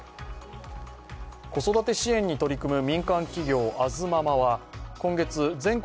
子育て支援に取り組む民間企業、ＡｓＭａｍａは今月、全国